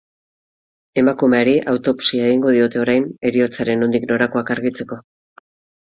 Emakumeari autopsia egingo diote orain heriotzaren nondik norakoak argitzeko.